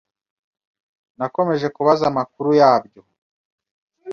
nakomeje kubaza amakuru yabyo